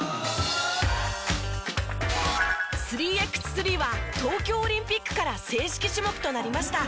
３ｘ３は東京オリンピックから正式種目となりました。